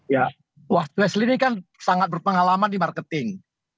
ya wahsly ini kan sangat berpengalaman di marketing